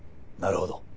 なるほど。